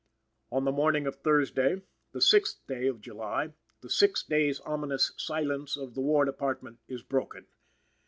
On the morning of Thursday, the sixth day of July, the six days ominous silence of the War Department is broken.